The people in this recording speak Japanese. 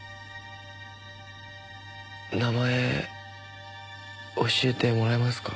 名前教えてもらえますか？